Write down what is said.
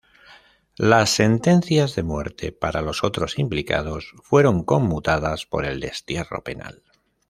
Las sentencias de muerte para los otros implicados fueron conmutadas por el destierro penal.